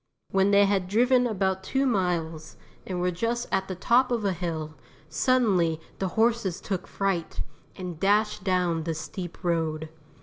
When they had driven about two miles and were just at the top of a hill, suddenly the horses took fright, and dashed down the steep road.